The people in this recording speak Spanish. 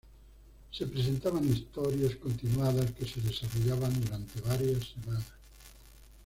Se presentaban historias continuadas que se desarrollaban durante varias semanas.